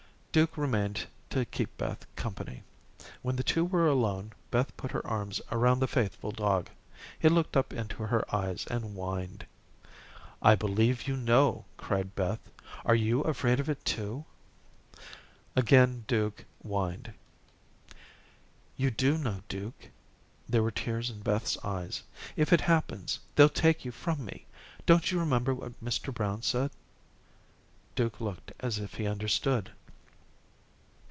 Duke remained to keep Beth company. When the two were alone, Beth put her arms around the faithful dog. He looked up into her eyes and whined. "I believe you know," cried Beth. "Are you afraid of it, too?" Again Duke whined. "You do know, Duke." There were tears in Beth's eyes. "If it happens, they'll take you from me. Don't you remember what Mr. Brown said?" Duke looked as if he understood.